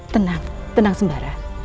tenang tenang sembara